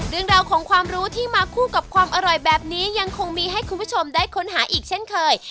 เรื่องราวของความรู้ที่มาคู่กับความอร่อยแบบนี้ยังคงมีให้คุณผู้ชมได้ค้นหาอีกเช่นเคย